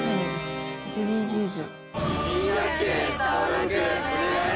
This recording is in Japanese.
ＳＤＧｓ。